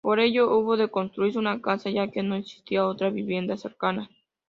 Por ello hubo de construirse una casa, ya que no existía otra vivienda cercana.